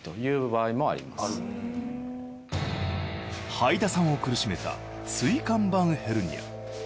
はいださんを苦しめた椎間板ヘルニア。